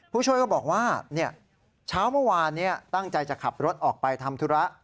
ผู้ช่วยก็บอกว่าเช้าเมื่อวานนี้ตั้งใจจะขับรถออกไปทำธุระ